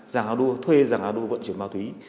giang anua thuê giang anua vận chuyển ma túy